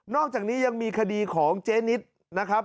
อกจากนี้ยังมีคดีของเจ๊นิดนะครับ